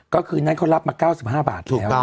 ก็คือนั่นเขารับมาเก้าสิบห้าบาทแล้ว